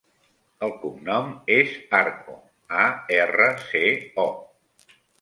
El cognom és Arco: a, erra, ce, o.